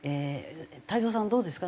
太蔵さんはどうですか？